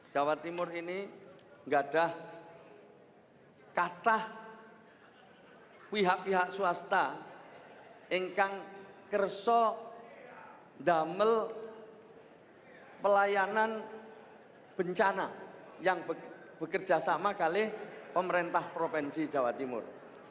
jawa timur ini tidak ada kata pihak pihak swasta yang tidak bersyukur dengan pelayanan bencana yang bekerja sama oleh pemerintah provinsi jawa timur